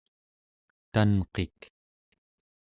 tanqik